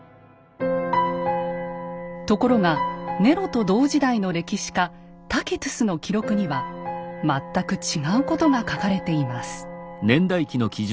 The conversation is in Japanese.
ところがネロと同時代の歴史家タキトゥスの記録には全く違うことが書かれています。